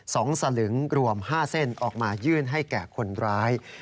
สลึงรวมห้าเส้นออกมายื่นให้แก่คนร้าย